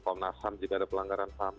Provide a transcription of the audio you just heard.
komnas ham jika ada pelanggaran ham